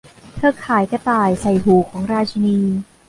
เธอขายกระต่ายใส่หูของราชินี